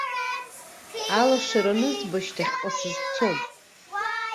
Алашара анызба, шьҭахьҟа сызцом.